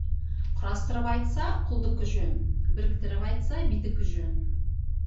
Құрастырып айтса, құлдыкі жөн, біріктіріп айтса, бидікі жөн.